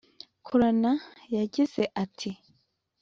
Koran yagize ati